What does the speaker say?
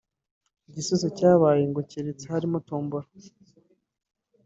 Igisubizo cyabaye ngo keretse harimo tombola